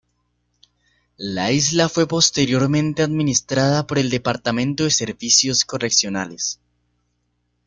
La isla fue posteriormente administrada por el Departamento de Servicios Correccionales.